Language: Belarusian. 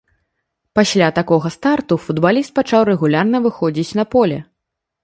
Пасля такога старту футбаліст пачаў рэгулярна выходзіць на поле.